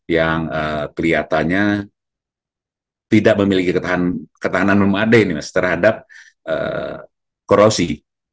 yang kelihatannya tidak memiliki ketahanan memadai terhadap korupsi